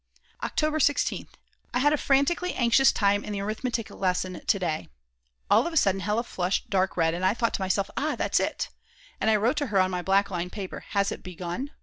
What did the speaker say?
October 16th. I had a frantically anxious time in the arithmetic lesson to day. All of a sudden Hella flushed dark red and I thought to myself: Aha, that's it! And I wrote to her on my black line paper: Has it begun???